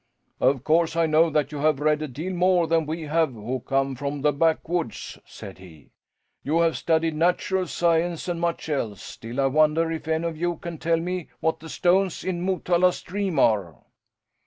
"Of course I know that you have read a deal more than have we who come from the backwoods," said he. "You have studied natural science and much else, still I wonder if any of you can tell me what the stones in Motala Stream are?"